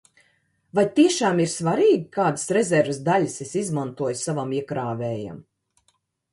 Vai tiešām ir svarīgi, kādas rezerves daļas es izmantoju savam iekrāvējam?